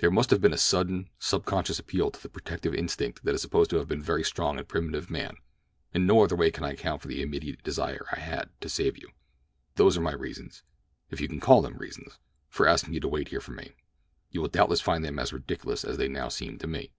There must have been a sudden, subconscious appeal to the protective instinct that is supposed to have been very strong in primitive man—in no other way can I account for the immediate desire I had to save you. Those are my reasons, if you can call them reasons, for asking you to wait here for me. You will doubtless find them as ridiculous as they now seem to me."